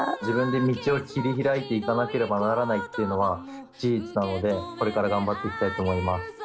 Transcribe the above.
自分で道を切り開いていかなければならないっていうのは事実なのでこれから頑張っていきたいと思います。